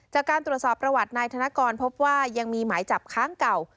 จากการตรวจสอบประวัตินายธนกรพบว่ายังมีหมายจับค้างเก่า